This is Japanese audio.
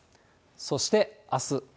そして、あす。